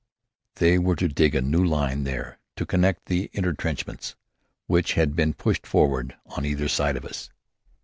They were to dig a new line there, to connect with intrenchments which had been pushed forward on either side of us.